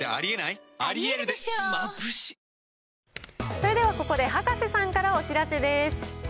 それではここで葉加瀬さんからお知らせです。